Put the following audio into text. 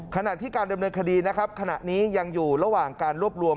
ขณะที่การดำเนินคดีนะครับขณะนี้ยังอยู่ระหว่างการรวบรวม